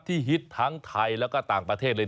ฮิตทั้งไทยแล้วก็ต่างประเทศเลย